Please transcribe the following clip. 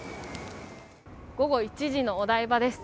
午後１時のお台場です。